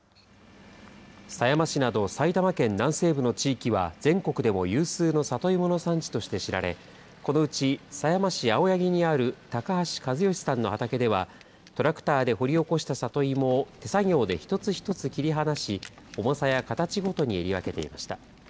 狭山市など埼玉県南西部の地域は、全国でも有数の里芋の産地として知られ、このうち、狭山市青柳にある高橋一善さんの畑では、トラクターで掘り起こした里芋を手作業で一つ一つ切り離し、重さや形ごとにえり分けていました。